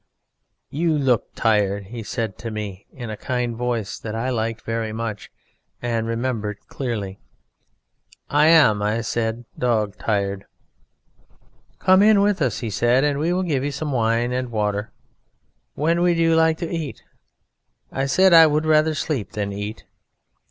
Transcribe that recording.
"'You look tired,' he said to me in a kind voice that I liked very much and remembered clearly. 'I am,' said I, 'dog tired.' 'Come in with us,' he said, 'and we will give you some wine and water. When would you like to eat?' I said I would rather sleep than eat.